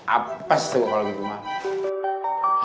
apas tuh kalo gitu mah